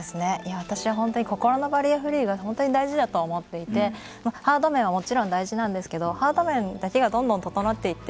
私、本当に心のバリアフリーが本当に大事だと思っていてハード面はもちろん大事なんですけどハード面だけがどんどん整っていって